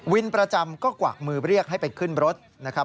ประจำก็กวากมือเรียกให้ไปขึ้นรถนะครับ